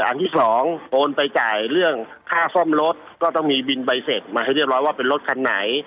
อันที่สองโอนไปจ่ายเรื่องค่าซ่อมรถก็ต้องมีบินใบเสร็จมาให้เรียบร้อยว่าเป็นรถคันไหน